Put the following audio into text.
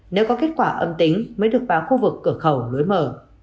nếu có kết quả âm tính mới được vào khu vực cửa khẩu lối mở